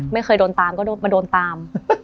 ไม่เคยโดนตามก็มาโดนตาม